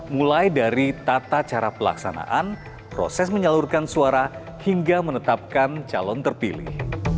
mulai dari tata cara pelaksanaan proses menyalurkan suara hingga menetapkan calon terpilih